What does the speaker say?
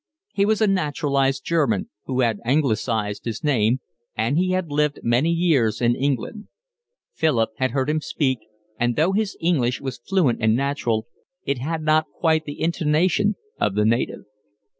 He was a naturalized German, who had anglicised his name, and he had lived many years in England. Philip had heard him speak, and, though his English was fluent and natural, it had not quite the intonation of the native.